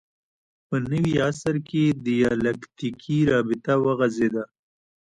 په نوي عصر کې دیالکتیکي رابطه وغځېده